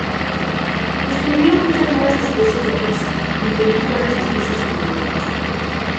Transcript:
Describió muchas nuevas especies de pez, incluyendo varias especies de tiburones.